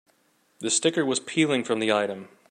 The sticker was peeling from the item.